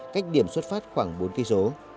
cách điểm xuất phát khoảng bốn km